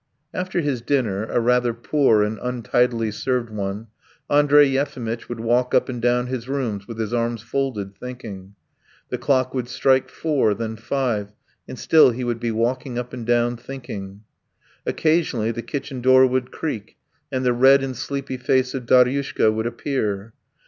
.." After his dinner a rather poor and untidily served one Andrey Yefimitch would walk up and down his rooms with his arms folded, thinking. The clock would strike four, then five, and still he would be walking up and down thinking. Occasionally the kitchen door would creak, and the red and sleepy face of Daryushka would appear.